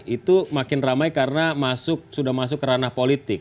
itu makin ramai karena sudah masuk ke ranah politik